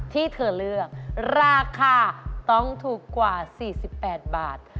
ที่เธอเลือกราคาต้องถูกกว่า๔๘บาท